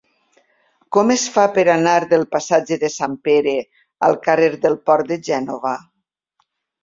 Com es fa per anar del passatge de Sant Pere al carrer del Port de Gènova?